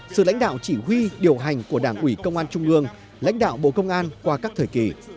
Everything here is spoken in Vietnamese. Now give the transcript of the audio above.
sự lãnh đạo chỉ huy điều hành của đảng ủy công an trung ương lãnh đạo bộ công an qua các thời kỳ